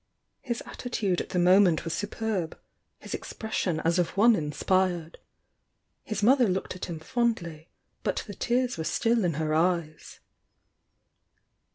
His attitude at the moment was superb; his ex pression as of one inspired. His mother looked at him fondly, but the tears were still in her eyes.